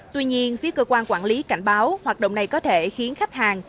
tuy nhiên phía cơ quan quản lý cảnh báo hoạt động này có thể khiến khách hàng